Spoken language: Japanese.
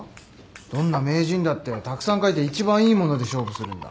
どんな名人だってたくさん書いて一番いいもので勝負するんだ。